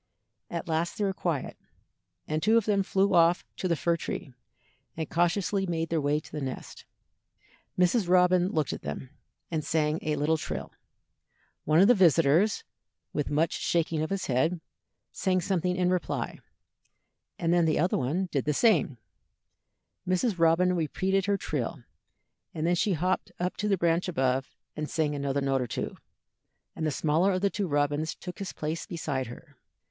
At last they were quiet, and two of them flew off to the fir tree, and cautiously made their way to the nest. Mrs. Robin looked at them, and sang a little trill. One of the visitors, with much shaking of his head, sang something in reply, and then the other one did the same thing. Mrs. Robin repeated her trill, and then she hopped up to the branch above, and sang another note or two, and the smaller of the two robins took his place beside her.